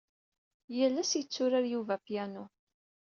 Yal ass yetturar Yuba apianu.